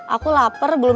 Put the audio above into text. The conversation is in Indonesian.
apa yang tersentuh